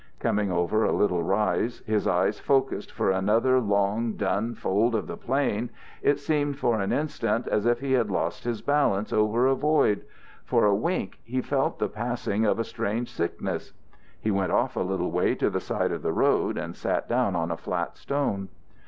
Coming over a little rise, his eyes focused for another long, dun fold of the plain, it seemed for an instant as if he had lost his balance over a void; for a wink he felt the passing of a strange sickness. He went off a little way to the side of the road and sat down on a flat stone.